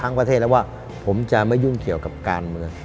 ประเทศแล้วว่าผมจะไม่ยุ่งเกี่ยวกับการเมือง